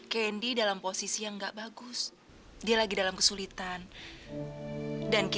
kamu harus dihukum masuk ke dalam gudang